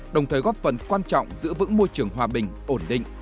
đồng thời góp phần quan trọng giữ vững môi trường hòa bình ổn định